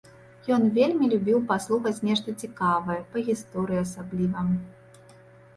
Ён вельмі любіў паслухаць нешта цікавае, па гісторыі асабліва.